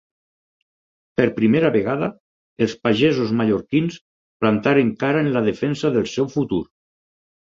Per primera vegada els pagesos mallorquins plantaren cara en la defensa del seu futur.